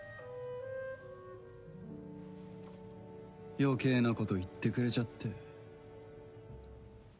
余計なこと言ってくれちゃって。